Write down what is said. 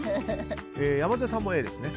山添さんもＡですね。